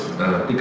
saya belum dikaji